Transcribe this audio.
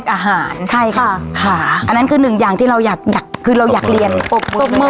อาหารใช่ค่ะค่ะอันนั้นคือหนึ่งอย่างที่เราอยากอยากคือเราอยากเรียนปกปรบมือ